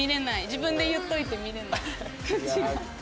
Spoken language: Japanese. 自分で言っといて見れない。